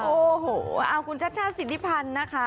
โอ้โหเอาคุณชัชชาติสิทธิพันธ์นะคะ